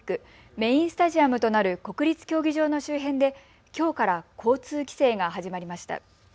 メインスタジアムとなる国立競技場の周辺できょうから交通規制が始まりました。